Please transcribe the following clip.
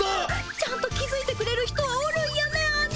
ちゃんと気づいてくれる人はおるんやねアニさん。